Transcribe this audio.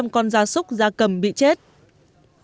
văn phòng thường trực ban chỉ đạo trung ương